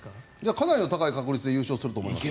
かなりの高い確率で優勝すると思います。